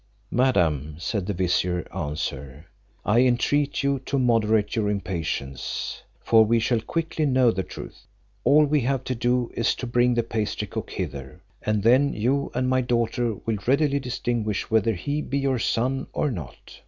"Madam," said the vizier answer, "I entreat you to moderate your impatience, for we shall quickly know the truth. All we have to do, is to bring the pastry cook hither; and then you and my daughter will readily distinguish whether he be your son or not.